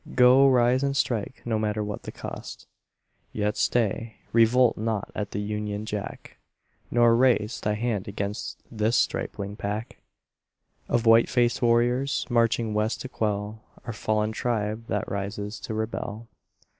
Go; rise and strike, no matter what the cost. Yet stay. Revolt not at the Union Jack, Nor raise Thy hand against this stripling pack Of white faced warriors, marching West to quell Our fallen tribe that rises to rebel.